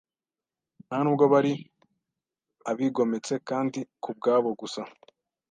Ntanubwo bari abigometse kandi kubwabo gusa